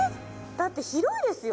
だって広いですよ